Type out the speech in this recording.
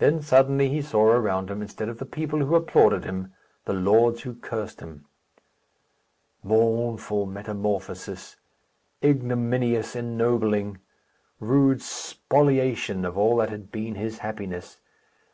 Then suddenly he saw around him, instead of the people who applauded him, the lords who cursed him. Mournful metamorphosis! Ignominious ennobling! Rude spoliation of all that had been his happiness!